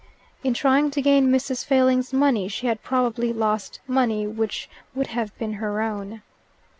In trying to gain Mrs. Failing's money she had probably lost money which would have been her own.